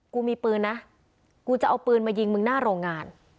กูมีปืนนะกูจะเอาปืนมายิงมึงหน้าโรงงาน